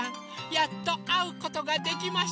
やっとあうことができました。